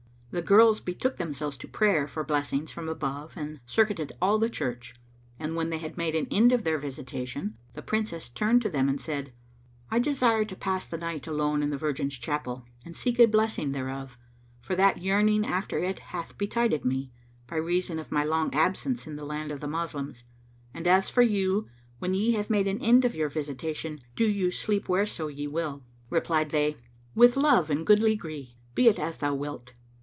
The girls betook themselves to prayer for blessings from above and circuited all the church; and when they had made an end of their visitation, the Princess turned to them and said, "I desire to pass the night alone in the Virgin's chapel and seek a blessing thereof, for that yearning after it hath betided me, by reason of my long absence in the land of the Moslems; and as for you, when ye have made an end of your visitation, do ye sleep whereso ye will." Replied they, "With love and goodly gree: be it as thou wilt!"